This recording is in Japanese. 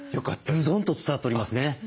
ズドンと伝わっておりますね。